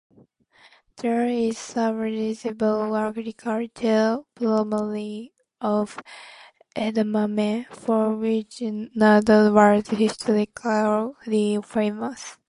There is some residual agriculture, primarily of "edamame", for which Noda was historically famous.